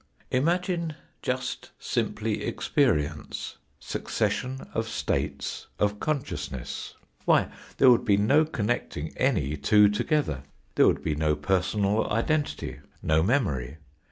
Imagine just simply experience, suc cession of states, of consciousness ! Why, there would be no connecting any two together, there would be no 110 TftE FOURTH DIMENSION personal identity, no memory.